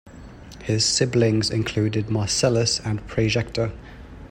His siblings included Marcellus and Praejecta.